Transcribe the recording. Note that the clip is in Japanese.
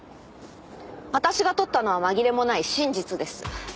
私が撮ったのは紛れもない真実です。